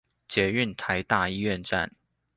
捷運臺大醫院站